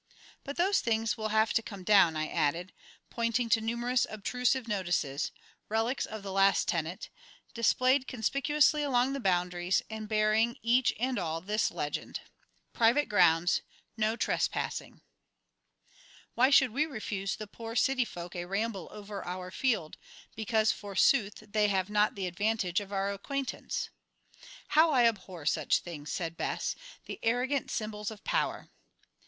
"But those things will have to come down," I added, pointing to numerous obtrusive notices (relics of the last tenant) displayed conspicuously along the boundaries, and bearing, each and all, this legend: "Private Grounds. No Trespassing." "Why should we refuse the poor city folk a ramble over our field, because, forsooth, they have not the advantage of our acquaintance?" "How I abhor such things," said Bess; "the arrogant symbols of power."